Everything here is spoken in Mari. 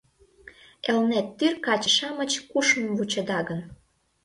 Элнеттӱр каче-шамыч кушмым вучеда гын